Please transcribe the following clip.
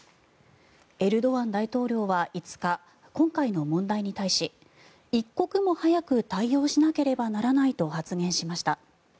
エルドアン大統領は５日今回の問題に対し一刻も早く対応しなければならないと発言しました。